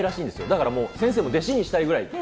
だからもう、先生も弟子にしたいぐらい。